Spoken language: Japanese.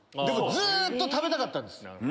でもずっと食べたかったんです。